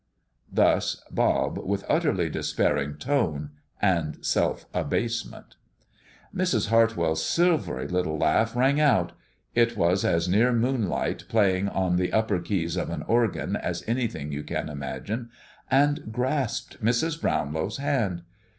Thus Bob, with utterly despairing tone and self abasement. Mrs. Hartwell's silvery little laugh rang out it was as near moonlight playing on the upper keys of an organ as anything you can imagine and grasped Mrs. Brownlow's hand.